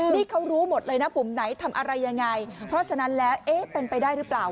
นี่เขารู้หมดเลยนะปุ่มไหนทำอะไรยังไงเพราะฉะนั้นแล้วเอ๊ะเป็นไปได้หรือเปล่า